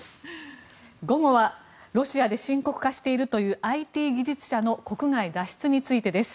午後はロシアで深刻化しているというＩＴ技術者の国外脱出についてです。